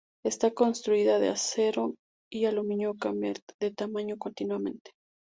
Está construida de acero y aluminio y cambia de tamaño continuamente.